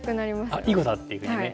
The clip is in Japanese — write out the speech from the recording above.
「あっ囲碁だ！」っていうふうにね。